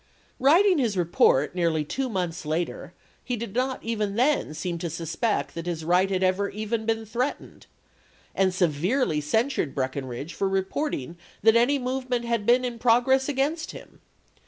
Writing his report nearly two months later he did not even then seem to suspect that his right had ever been threatened, and severely cen sured Breckinridge for reporting that any move ment had been in progress against him.